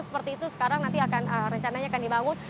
seperti itu sekarang nanti akan rencananya akan dibangun